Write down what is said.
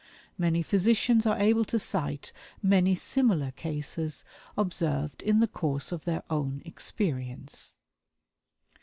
Many physicians are able to cite many similar cases observed in the course of their own experience.